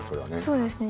そうですね。